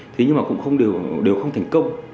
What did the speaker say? thế nhưng mà cũng đều không thành công